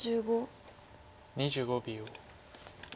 ２５秒。